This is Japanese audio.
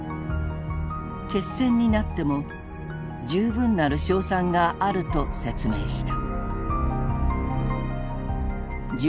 決戦になっても「充分なる勝算」があると説明した。